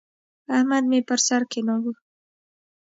احمد مې پر سر کېناوو.